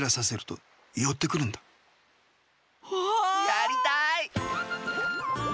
やりたい！